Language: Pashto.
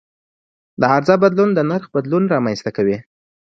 د عرضه بدلون د نرخ بدلون رامنځته کوي.